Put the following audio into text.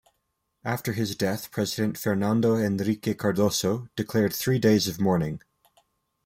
After his death President Fernando Henrique Cardoso declared three days of mourning.